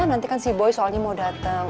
nanti kan si boy soalnya mau datang